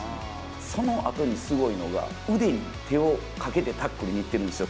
そのあとにすごいのが、腕に手をかけてタックルにいってるんですよ。